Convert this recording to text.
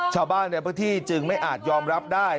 ชาวบ้านในพื้นที่จึงไม่อาจยอมรับได้